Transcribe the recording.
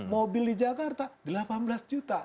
mobil di jakarta delapan belas juta